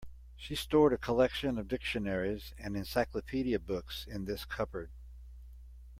She stored a collection of dictionaries and encyclopedia books in this cupboard.